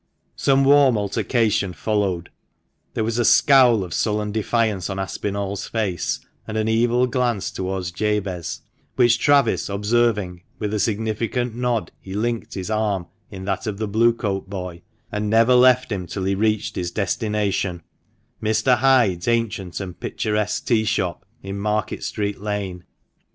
Some warm altercation followed. There was a scowl of sullen defiance on Aspinall's face, and an evil glance towards Jabez, which Travis observing, with a significant nod he linked his arm in that of the Blue coat boy, and never left him till he reached his destination, Mr. Hyde's ancient and picturesque tea shop, in Market street Lane.